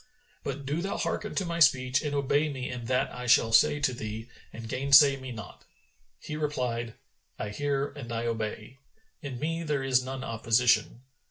But do thou hearken to my speech and obey me in that I shall say to thee and gainsay me not." He replied, "I hear and I obey: in me there is none opposition."